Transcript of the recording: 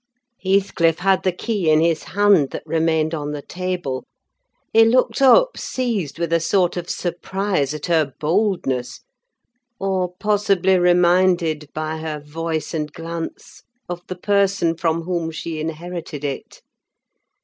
Heathcliff had the key in his hand that remained on the table. He looked up, seized with a sort of surprise at her boldness; or, possibly, reminded, by her voice and glance, of the person from whom she inherited it.